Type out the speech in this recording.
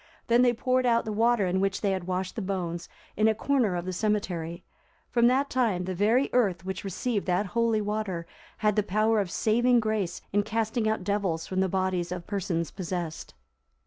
Then they poured out the water in which they had washed the bones, in a corner of the cemetery.(345) From that time, the very earth which received that holy water, had the power of saving grace in casting out devils from the bodies of persons possessed.